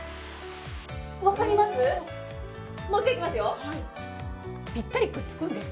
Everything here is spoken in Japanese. わかります？